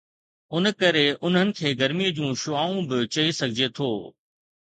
ان ڪري انهن کي گرميءَ جون شعاعون به چئي سگهجي ٿو